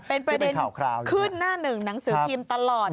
เป็นประเด็นขึ้นหน้าหนึ่งหนังสือพิมพ์ตลอด